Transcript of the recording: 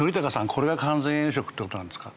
これが完全栄養食ってことなんですか？